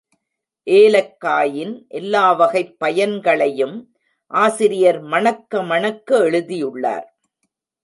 ஏலக்காயின் எல்லா வகைப் பயன்களையும் ஆசிரியர் மணக்க மணக்க எழுதியுள்ளார்.